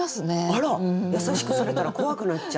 あらっ優しくされたら怖くなっちゃう。